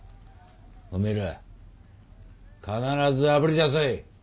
おめえら必ずあぶり出せ。